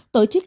tổ chức ymca